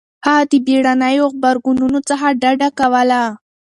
هغه د بېړنيو غبرګونونو څخه ډډه کوله.